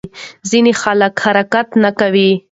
ځینې خلک حرکت نه کوي.